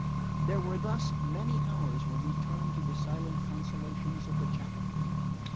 There were thus many hours when he turned to the silent consolations of the chapel.